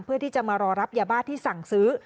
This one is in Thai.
เพื่อที่จะมารอรับยาบ้าที่สั่งซื้อ